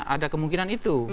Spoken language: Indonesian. ada kemungkinan itu